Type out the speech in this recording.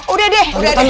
udah deh udah